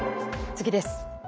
次です。